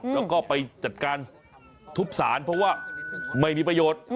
แล้วก็ไปจัดการทุบสารเพราะว่าไม่มีประโยชน์